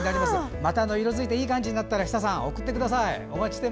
また色づいていい感じになったらひささん、送ってください。